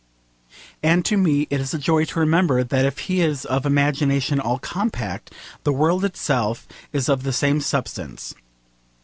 And to me it is a joy to remember that if he is 'of imagination all compact,' the world itself is of the same substance.